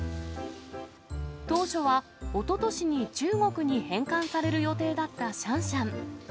当初は、おととしに中国に返還される予定だったシャンシャン。